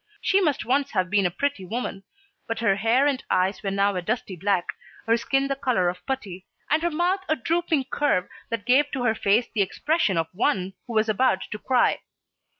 She must once have been a pretty woman, but her hair and eyes were now a dusty black, her skin the color of putty, and her mouth a drooping curve that gave to her face the expression of one who was about to cry.